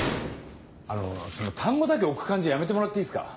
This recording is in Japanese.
あのその単語だけ置く感じやめてもらっていいっすか。